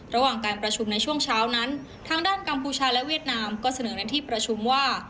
ระหว่างการประชุมในช่วงเช้านั้นทางด้านกัมพูชาและเวียดนามก็เสนอในที่ประชุมว่า